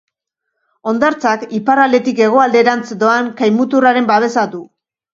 Hondartzak iparraldetik hegoalderantz doan kai-muturraren babesa du.